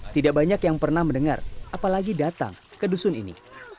tidak banyak yang pernah mendengar apalagi datang ke dusun ini